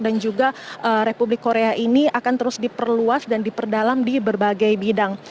dan juga republik korea ini akan terus diperluas dan diperdalam di berbagai bidang